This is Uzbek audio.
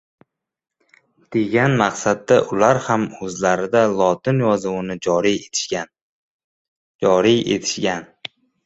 degan maqsadda ular ham o‘zlarida lotin yozuvini joriy etishgan.